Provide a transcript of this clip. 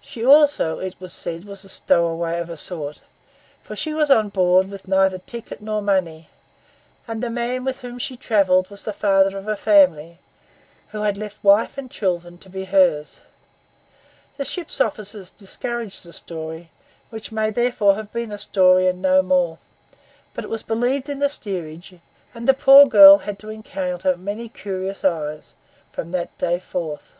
She also, it was said, was a stowaway of a sort; for she was on board with neither ticket nor money; and the man with whom she travelled was the father of a family, who had left wife and children to be hers. The ship's officers discouraged the story, which may therefore have been a story and no more; but it was believed in the steerage, and the poor girl had to encounter many curious eyes from that day forth.